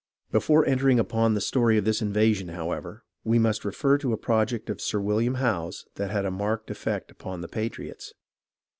Before entering upon the story of this invasion, how ever, we must refer to a project of Sir William Howe's that had a marked effect upon the patriots.